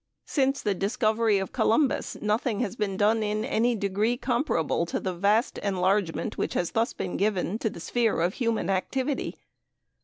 Since the discovery of Columbus, nothing has been done in any degree comparable to the vast enlargement which has thus been given to the sphere of human activity.